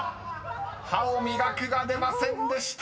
［「歯を磨く」が出ませんでした。